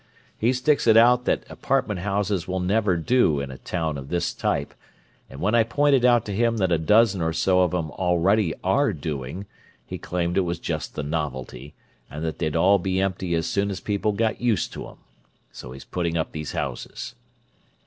He sticks it out that apartment houses will never do in a town of this type, and when I pointed out to him that a dozen or so of 'em already are doing, he claimed it was just the novelty, and that they'd all be empty as soon as people got used to 'em. So he's putting up these houses."